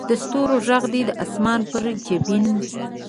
د ستورو ږغ دې د اسمان پر جبین